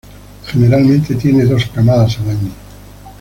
Generalmente tienen dos camadas al año.